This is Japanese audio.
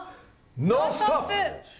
「ノンストップ！」。